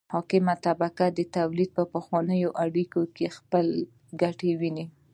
حاکمه طبقه د تولید په پخوانیو اړیکو کې خپله ګټه ویني.